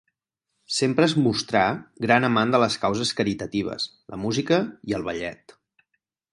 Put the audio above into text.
Sempre es mostrà gran amant de les causes caritatives, la música i el ballet.